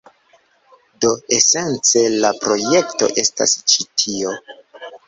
Do esence la projekto estas ĉi tio.